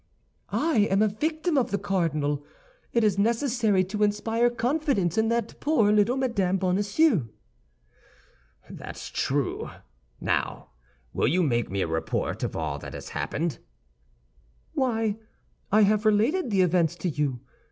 "I am a victim of the cardinal. It is necessary to inspire confidence in that poor little Madame Bonacieux." "That's true. Now, will you make me a report of all that has happened?" "Why, I have related the events to you.